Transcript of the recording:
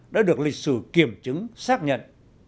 đã được lịch sử kiểm chứng xác nhận